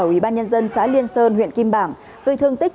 ủy ban nhân dân xã liên sơn huyện kim bảng gây thương tích